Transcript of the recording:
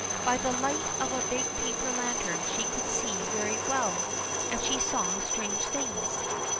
By the light of a big paper lantern she could see very well, and she saw strange things.